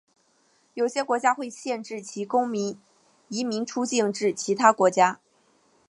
有些国家会限制其公民移民出境至其他国家。